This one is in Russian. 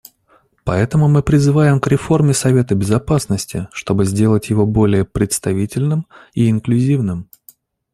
Поэтому мы призываем к реформе Совета Безопасности, чтобы сделать его более представительным и инклюзивным.